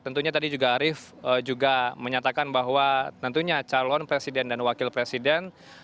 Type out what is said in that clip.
tentunya tadi juga arief juga menyatakan bahwa tentunya calon presiden dan wakil presiden